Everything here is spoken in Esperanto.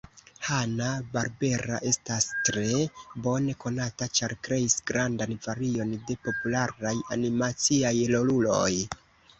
Hanna-Barbera estas tre bone konata ĉar kreis grandan varion de popularaj animaciaj roluloj.